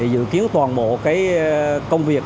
dự kiến toàn bộ công việc